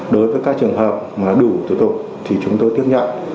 đối với các trường hợp mà đủ thủ tục thì chúng tôi tiếp nhận